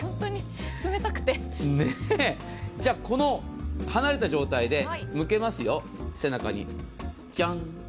じゃあこの離れた状態で背中に向けますよ、ジャン。